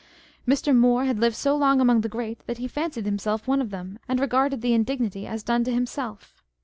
Mr. Moore had lived so long among the Great that he fancied himself one of them, and regarded the indignity as done to himself.